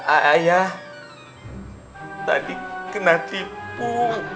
ayah tadi kena tipu